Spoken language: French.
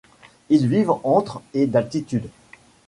Ils vivent entre et d'altitude.